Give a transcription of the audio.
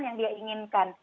yang dia inginkan